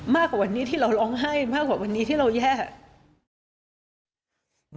มากกว่าวันนี้ที่เราร้องไห้มากกว่าวันนี้ที่เราแย่